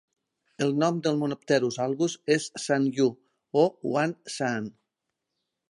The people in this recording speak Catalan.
El nom del Monopterus albus és "shan yu" o "huang shan".